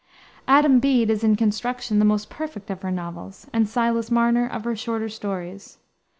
Adam Bede is, in construction, the most perfect of her novels, and Silas Marner of her shorter stories.